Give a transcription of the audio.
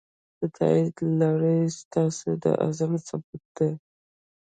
د تایید لړۍ ستاسو د عزم ثبوت دی.